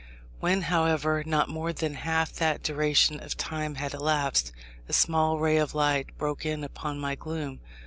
When, however, not more than half that duration of time had elapsed, a small ray of light broke in upon my gloom.